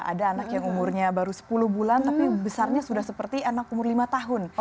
ada anak yang umurnya baru sepuluh bulan tapi besarnya sudah seperti anak umur lima tahun